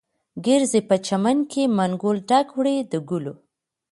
ګرځې په چمن کې، منګول ډکه وړې د ګلو